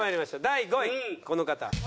第５位この方。